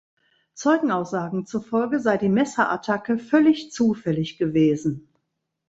Zeugenaussagen zufolge sei die Messerattacke „völlig zufällig“ gewesen.